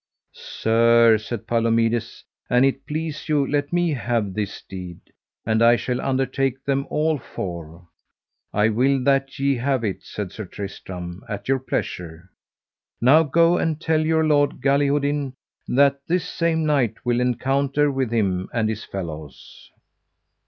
Sir, said Palomides, an it please you let me have this deed, and I shall undertake them all four. I will that ye have it, said Sir Tristram, at your pleasure. Now go and tell your lord Galihodin, that this same knight will encounter with him and his fellows.